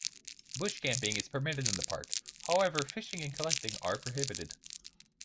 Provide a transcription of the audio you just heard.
Bush camping is permitted in the park, however fishing and collecting are prohibited.